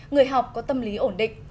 người học có tâm lý ổn định